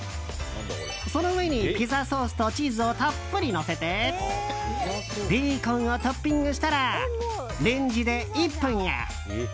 その上にピザソースとチーズをたっぷりのせてベーコンをトッピングしたらレンジで１分や。